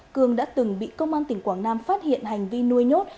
cương đã từng bị công an tỉnh quảng nam phát hiện hành vi nuôi nhốt